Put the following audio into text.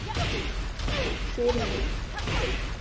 Širmi.